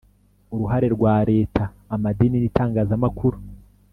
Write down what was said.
uruhare rwa Leta Amadini n Itangazamakuru